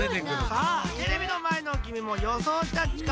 さあテレビのまえのきみもよそうしたっちか？